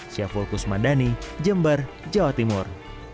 syaful kusmandani jember jawa timur